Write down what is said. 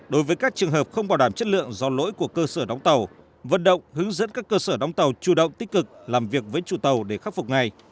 đối với các trường hợp không bảo đảm chất lượng do lỗi của cơ sở đóng tàu vận động hướng dẫn các cơ sở đóng tàu chủ động tích cực làm việc với chủ tàu để khắc phục ngay